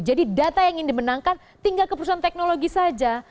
jadi data yang ingin dimenangkan tinggal ke perusahaan teknologi saja